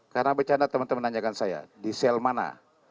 karena bercanda teman teman nanyakan saya di sel mana